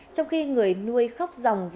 trong khi người nuôi khóc ròng